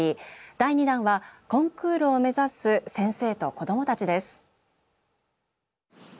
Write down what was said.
第２弾は「コンクールを目指す先生と子どもたち」です。